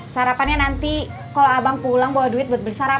sarapannya nanti kalau abang pulang bawa duit buat bersarap